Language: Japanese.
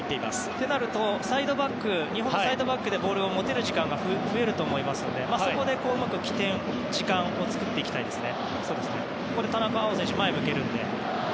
となると日本はサイドバックでボールを持てる時間が増えると思いますのでそこでうまく時間を作っていきたいですね。